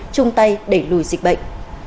chung tay đẩy lùi dịch bệnh